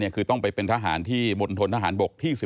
คือต้องไปเป็นทหารที่มณฑนทหารบกที่๔